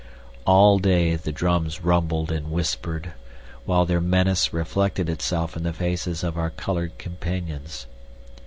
All day the drums rumbled and whispered, while their menace reflected itself in the faces of our colored companions.